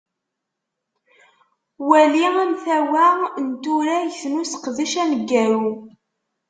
Wali amtawa n turagt n useqdac aneggaru.